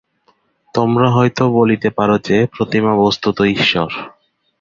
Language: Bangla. তোমরা হয়তো বলিতে পার যে, প্রতিমা বস্তুত ঈশ্বর।